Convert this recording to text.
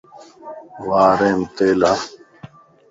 واريم تيل ھڻ